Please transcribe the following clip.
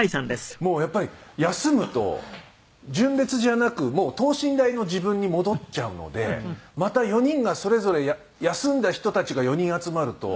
もうやっぱり休むと純烈じゃなくもう等身大の自分に戻っちゃうのでまた４人がそれぞれ休んだ人たちが４人集まると。